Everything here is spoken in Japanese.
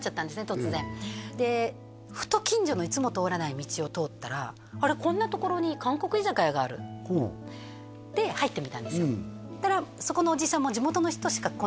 突然でふと近所のいつも通らない道を通ったらあれこんなところに韓国居酒屋があるで入ってみたんですよそしたらそこのおじさんも地元の人しか来ない店だったんで